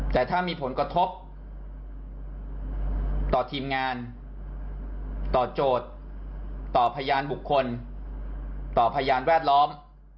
แต่ถ้ามีผลกระทบต่อทีมงานต่อโจทย์ต่อพยานบุคคลต่อพยานแวดล้อม